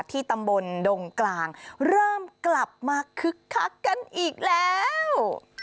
ที่ตำบลดงกลางเริ่มกลับมาคึกคักกันอีกแล้ว